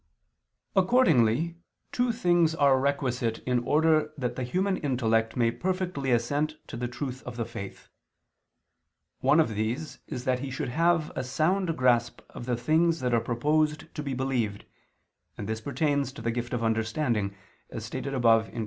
Accordingly, two things are requisite in order that the human intellect may perfectly assent to the truth of the faith: one of these is that he should have a sound grasp of the things that are proposed to be believed, and this pertains to the gift of understanding, as stated above (Q.